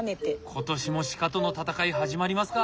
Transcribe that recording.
今年も鹿との戦い始まりますか！